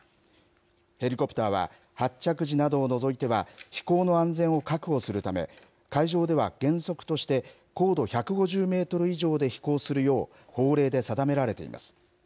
ヘリコプターは、発着時などを除いては、飛行の安全を確保するため、海上では原則として高度１５０メートル以上で飛行するよう、法令で定められています。